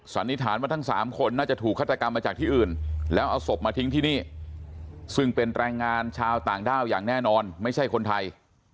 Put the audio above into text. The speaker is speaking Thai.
สันนิษฐานว่าทั้ง๓คนน่าจะถูกฆาตกรรมมาจากที่อื่นแล้วเอาศพมาทิ้งที่นี่ซึ่งเป็นแรงงานชาวต่างด้าวอย่างแน่นอนไม่ใช่คนไทย